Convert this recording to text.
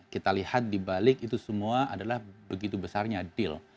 kita lihat dibalik itu semua adalah begitu besarnya deal